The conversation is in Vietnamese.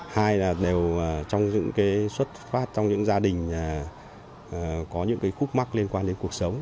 hai là đều trong xuất phát trong những gia đình có những khúc mắc liên quan đến cuộc sống